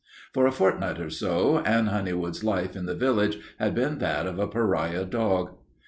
For a fortnight or so Anne Honeywood's life in the village had been that of a pariah dog.